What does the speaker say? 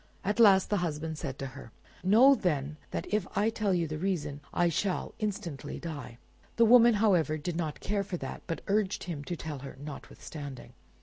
At last the husband said to her— "Know then, that if I tell you the reason, I shall instantly die." The woman, however, did not care for that, but urged him to tell her notwithstanding.